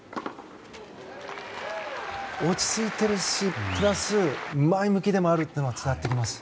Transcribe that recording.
落ち着いているしプラス前向きでもあることが伝わってきます。